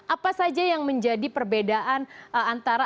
apa saja yang menjadi perbedaan antara